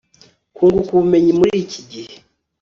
kunguka ubumenyi muri iki gihe